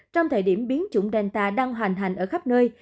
trong thời điểm biến chủng delta đang hoành hành ở khắp nơi